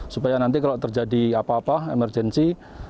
supaya nanti kalau terjadi apa apa emergensi